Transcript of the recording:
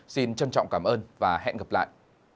xin trân trọng cảm ơn và hẹn gặp lại